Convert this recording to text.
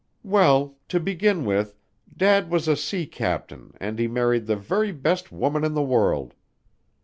"Well, to begin with, Dad was a sea captain and he married the very best woman in the world.